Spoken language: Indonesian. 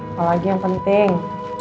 apalagi yang penting